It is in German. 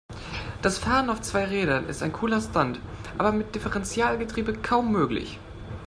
Das Fahren auf zwei Rädern ist ein cooler Stunt, aber mit Differentialgetriebe kaum möglich.